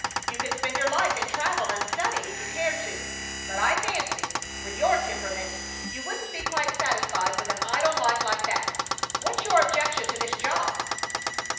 You could spend your life in travel and study if you cared to, but I fancy, with your temperament, you wouldn't be quite satisfied with an idle life like that. What's your objection to this job?"